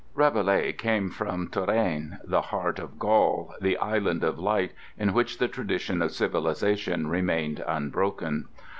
Rabelais came from Touraine—the heart of Gaul, the island of light in which the tradition of civilization remained unbroken.